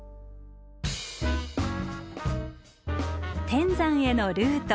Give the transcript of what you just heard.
天山へのルート。